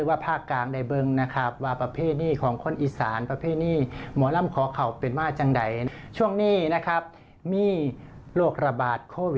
โอ้โหถ้ามีพวงบะไลมอบได้หนึ่งมอบแล้ว